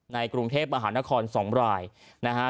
ในกรุงเทพมหานคร๒รายนะฮะ